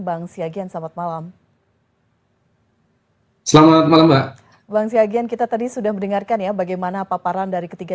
barangkali ini ini bukan salah satu hal ter decided oleh karena kita buka dan biarkan hal hal modifikasinya